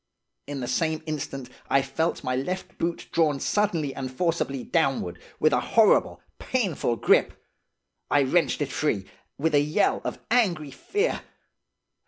In the same instant I felt my left boot drawn suddenly and forcibly downward, with a horrible, painful grip. I wrenched it free, with a yell of angry fear.